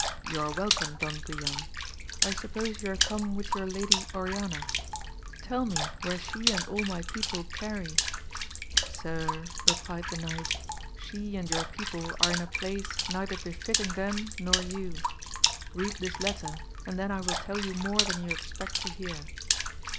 You are welcome Don Guilan, I suppose you are come with your Lady Oriana, tell me where she and all my people tarry ? Sir, replied the knight she and your people are in a place neither befitting them nor you ! read this letter and then I will tell you more than you expect to hear.